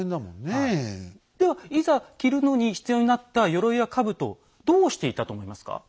ではいざ着るのに必要になった鎧や兜をどうしていたと思いますか？